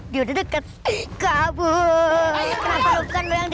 dia udah de jugend